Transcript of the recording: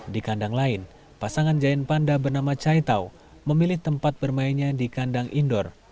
di kandang lain pasangan jayan panda bernama caitau memilih tempat bermainnya di kandang indoor